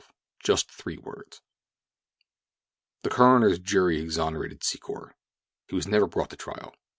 — JUST THREE WORDS The coroner's jury exonerated Secor. He was never brought to trial.